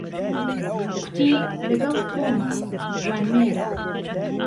کوتی له گهڵ تۆمه جوانمێره